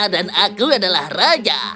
dan aku adalah raja